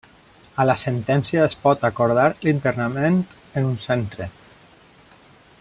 A la sentència es pot acordar l'internament en un centre.